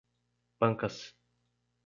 Pancas